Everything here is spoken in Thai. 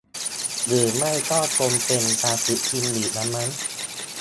หรือไม่ก็คงเป็นการฝึกพิมพ์ดีดละมั้ง